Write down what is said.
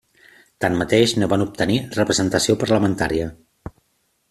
Tanmateix, no van obtenir representació parlamentària.